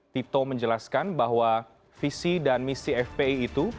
tito menjelaskan bahwa visi dan misi fpi itu